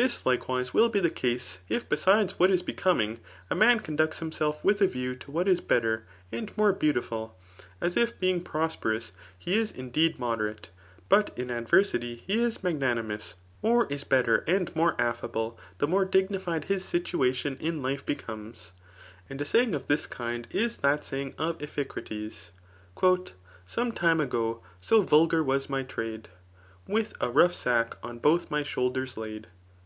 This likewise will be the case» if besides wfaatis becoming, a man conducts bimsslf with a view to what is belter and^ more beau^ tiful ; arif beis^ prosperousThe is indcfed moderate ; but in adversity, he is maj^naniadous} or is better aad biok 56 TliB AftT OF a&ble, the more d^nified bis sitoidoa in life betmog^ And a thing of this kind is that saying of Iphicratos^ Some time ago so vulgar was my trade. With a rough sack on both my shoulders laid.